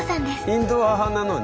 インドア派なのに？